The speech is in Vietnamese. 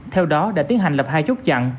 theo đó đã tiến hành lập hai chốt chặn